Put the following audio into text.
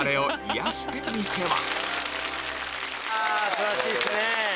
素晴らしいですね！